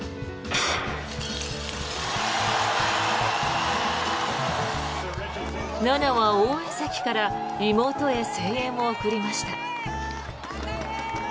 菜那は応援席から妹へ声援を送りました。